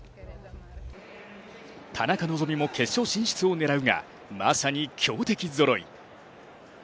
田中希実も決勝進出を狙うが、まさに強敵ぞろい。